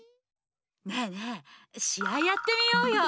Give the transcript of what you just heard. ねえねえしあいやってみようよ！